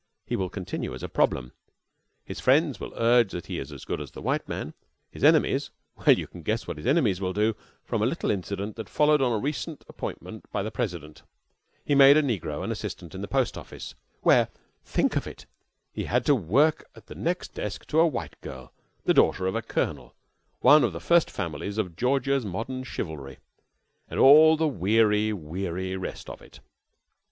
He will continue as a problem. His friends will urge that he is as good as the white man. His enemies well, you can guess what his enemies will do from a little incident that followed on a recent appointment by the President. He made a negro an assistant in a post office where think of it! he had to work at the next desk to a white girl, the daughter of a colonel, one of the first families of Georgia's modern chivalry, and all the weary, weary rest of it.